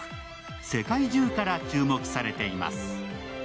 世界中から注目されています。